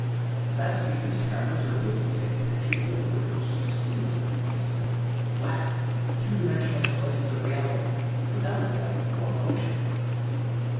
"That's because cameras are built to take pictures like we're used to seeing them," he said. "Flat, two dimensional slices of reality, without depth or motion."